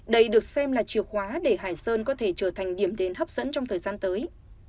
đây được xem là chìa khóa để hải sơn có thể trở thành điểm đến hấp dẫn trong thời gian tới